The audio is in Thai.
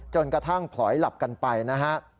จนกระทั่งผลอยหลับกันไปนะฮะ